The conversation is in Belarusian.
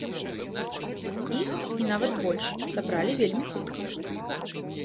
Іх, і нават больш, сабралі вельмі хутка.